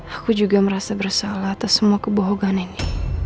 aku juga merasa bersalah atas semua kebohongan ini